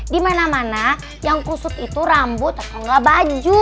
dimana mana yang kusut itu rambut atau gak baju